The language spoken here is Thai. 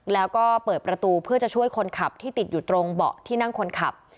แล้วก็เปิดประตูเพื่อจะช่วยคนขับที่ติดอยู่ตรงเบาะที่นั่งคนขับ